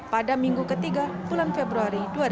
pada minggu ketiga bulan februari